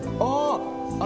ああ！